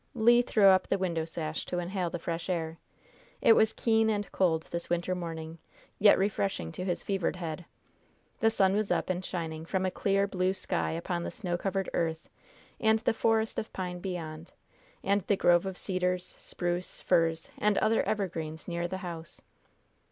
Le threw up the window sash to inhale the fresh air. It was keen and cold this winter morning, yet refreshing to his fevered head. The sun was up and shining from a clear, blue sky upon the snow covered earth, and the forest of pine beyond, and the grove of cedars, spruce, firs and other evergreens near the house.